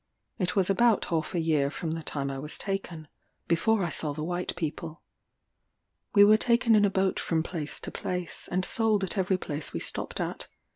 It was about half a year from the time I was taken, before I saw the white people. We were taken in a boat from place to place, and sold at every place we stopped at.